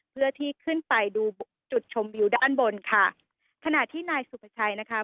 เพื่อที่ขึ้นไปดูจุดชมวิวด้านบนค่ะขณะที่นายสุภาชัยนะคะ